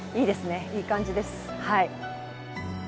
いい感じですはい。